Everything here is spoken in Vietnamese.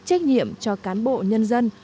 trách nhiệm cho cán bộ nhân dân